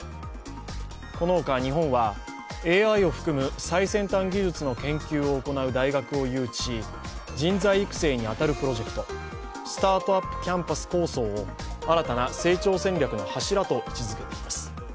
このほか、日本はＡＩを含む最先端技術の研究を行う大学を誘致し人材育成に当たるプロジェクト、スタートアップ・キャンパス構想を新たな成長戦略の柱と位置づけています。